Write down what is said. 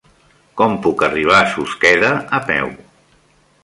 Com puc arribar a Susqueda a peu?